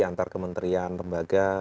antar kementerian lembaga